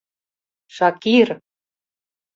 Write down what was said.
Шакир!..